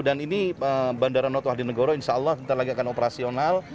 dan ini bandara noto hadinegoro insya allah nanti lagi akan operasional